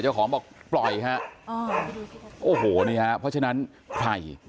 เจ้าของบอกปล่อยฮะอ๋อโอ้โหนี่ฮะเพราะฉะนั้นใคร